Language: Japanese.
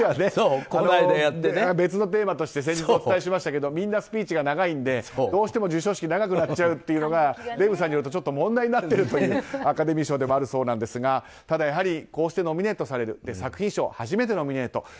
別のテーマとして先日お伝えしましたがみんなスピーチが長いんでどうしても授賞式が長くなっちゃうというのがデーブさんによると問題になっているアカデミー賞でもあるそうですがやはりこうしてノミネートされる作品賞、初めてノミネート。